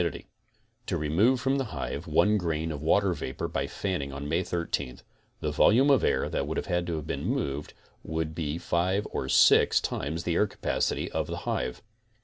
5 96 To remove from the hive one grain of water vapor by fan ning on May 18, the volume of air that would have to be moved would be five or six times the air capacity of the hive.